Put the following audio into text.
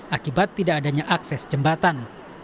akibat tidak adanya akses jembatan